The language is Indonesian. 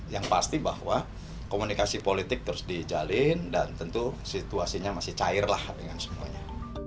yang pasti bahwa komunikasi politik terus dijalin dan tentu situasinya masih cairlah dengan semuanya